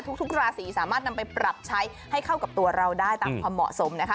ทุกราศีสามารถนำไปปรับใช้ให้เข้ากับตัวเราได้ตามความเหมาะสมนะคะ